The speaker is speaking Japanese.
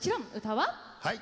はい。